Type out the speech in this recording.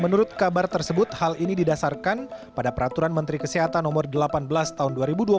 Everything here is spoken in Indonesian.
menurut kabar tersebut hal ini didasarkan pada peraturan menteri kesehatan no delapan belas tahun dua ribu dua puluh